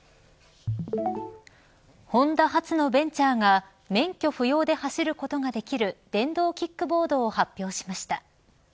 ホンダ初のベンチャーが免許不要で走ることができる電動キックボードを発表しました。